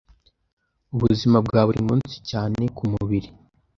ubuzima bwa buri munsi cyane k’umubiri